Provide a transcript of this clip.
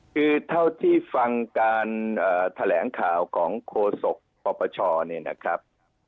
คือเท่าที่ฟังการแถลงข่าวของโฆษกปปชเนี่ยนะครับ